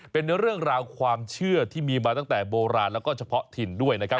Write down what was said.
เป็นเรื่องราวความเชื่อที่มีมาตั้งแต่โบราณแล้วก็เฉพาะถิ่นด้วยนะครับ